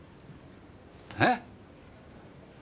えっ！？